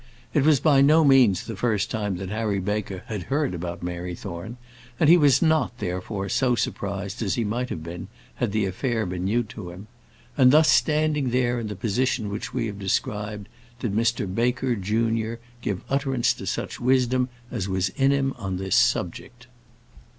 It was by no means the first time that Harry Baker had heard about Mary Thorne, and he was not, therefore, so surprised as he might have been, had the affair been new to him. And thus, standing there in the position we have described, did Mr Baker, junior, give utterance to such wisdom as was in him on this subject.